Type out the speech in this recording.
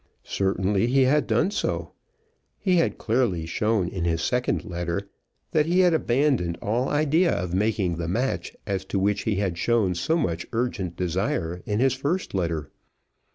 Certainly he had done so. He had clearly shown in his second letter that he had abandoned all idea of making the match as to which he had shown so much urgent desire in his first letter.